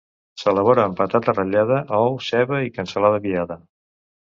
S'elabora amb patata ratllada, ou, ceba i cansalada viada.